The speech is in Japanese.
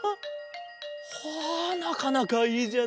ほうなかなかいいじゃないか。